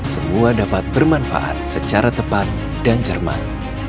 semua dapat bermanfaat secara tepat dan cermat